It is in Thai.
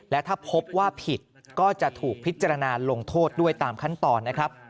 และถ้าพบว่าผิดก็จะถูกพิจารณาลงโทษด้วยตามขั้นตอนนะครับ